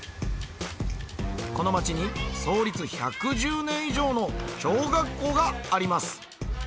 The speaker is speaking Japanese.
この街に創立１１０年以上の小学校があります。